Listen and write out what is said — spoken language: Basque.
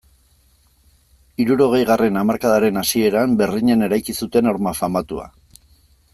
Hirurogeigarren hamarkadaren hasieran Berlinen eraiki zuten horma famatua.